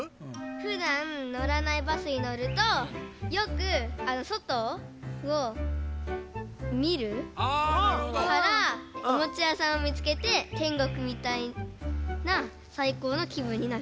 ふだん乗らないバスにのるとよくそとを見るからおもちゃやさんを見つけて天国みたいなサイコーのきぶんになる。